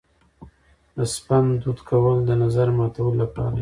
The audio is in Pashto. د سپند دود کول د نظر ماتولو لپاره وي.